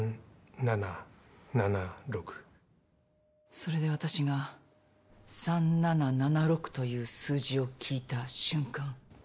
それで私が３７７６という数字を聞いた瞬間。